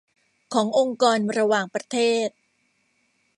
ขององค์กรระหว่างประเทศ